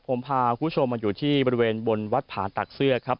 ผมพาคุณผู้ชมมาอยู่ที่บริเวณบนวัดผาตักเสื้อครับ